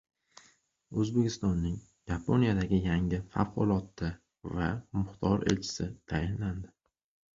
O‘zbekistonning Yaponiyadagi yangi Favqulodda va Muxtor Elchisi tayinlandi